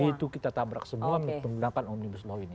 itu kita tabrak semua menggunakan omnibus law ini